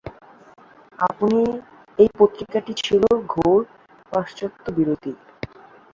এই পত্রিকাটি ছিল ঘোর-পাশ্চাত্যবিরোধী।